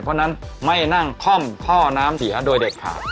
เพราะฉะนั้นไม่นั่งค่อมท่อน้ำเสียโดยเด็ดขาด